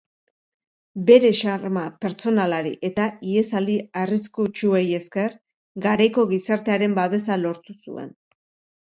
Bere xarma pertsonalari eta ihesaldi arriskutsuei esker, garaiko gizartearen babesa lortu zuen.